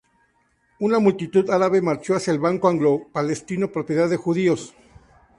Una multitud árabe marchó hacia el Banco Anglo palestino propiedad de judíos.